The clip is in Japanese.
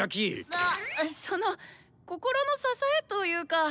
あっその心の支えというか。